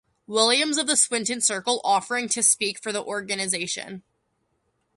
Williams of the Swinton Circle offering to speak for the organisation.